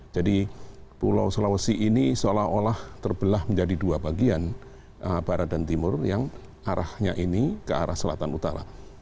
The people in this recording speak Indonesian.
jadi pulau sulawesi ini seolah olah terbelah menjadi dua bagian barat dan timur yang arahnya ini ke arah selatan utara